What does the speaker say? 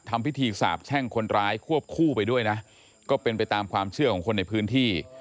ทำพิธีสาบแช่งคนร้ายควบคู่ไปด้วยนะก็เป็นไปตามความเชื่อของคนในพื้นที่